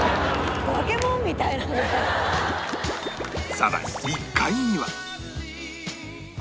さらに１階には